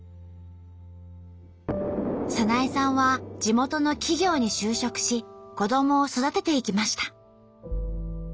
早苗さんは地元の企業に就職し子どもを育てていきました。